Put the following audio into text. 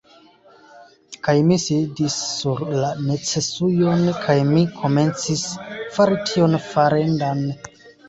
Kaj mi sidis sur la necesujon, kaj mi komencis fari tion farendan.